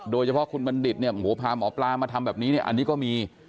โดยเฉพาะคุณบัณฑิตพาหมอปลามาทำแบบนี้อันนี้ก็มี